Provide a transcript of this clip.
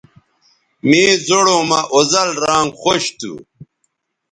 مے زوڑوں مہ اوزل رانگ خوش تھو